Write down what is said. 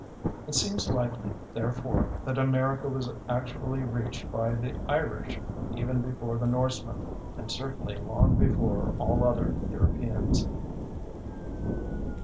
It seems likely, therefore, that America was actually reached by the Irish even before the Norsemen and certainly long before all other Europeans.